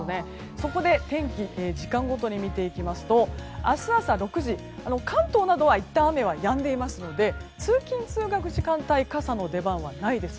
そこで天気を時間ごとに見ていきますと明日朝６時、関東などはいったん雨はやんでいますので通勤・通学時間帯傘の出番はないです。